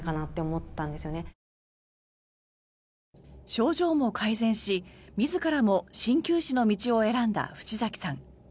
症状も改善し、自らも鍼灸師の道を選んだ渕崎さん。